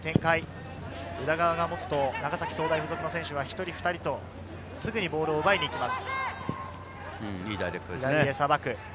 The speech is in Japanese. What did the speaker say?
琉が持つと、長崎総大附属の選手は、１人、２人とすぐに奪いにいきます。